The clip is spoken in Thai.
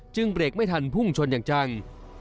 เบรกไม่ทันพุ่งชนอย่างจัง